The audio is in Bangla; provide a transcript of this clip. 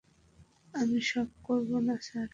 আমি সই করব না, স্যার।